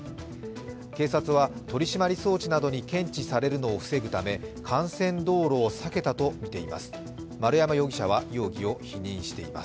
警察は取り締まり装置などに検知されるのを防ぐため幹線道路を避けたとみています。